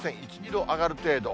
１、２度上がる程度。